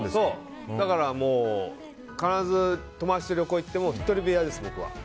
だから、必ず友達と旅行行っても１人部屋です、僕は。